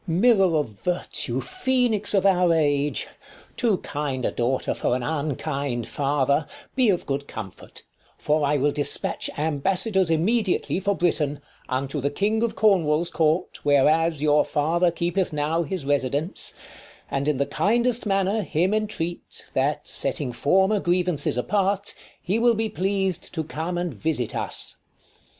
45 King. Mirror of virtue, Phoenix of our age ! Too kind a daughter for anjrnkind father, Be of good comfort ; for I will dispatch Ambassadors immediately for Britain, Unto the king of Cornwall's court, whereas 50 Your father keepeth now his residence, And in the kindest manner him entreat, That, setting former grievances apart, He will be pleas'd to come and visit us.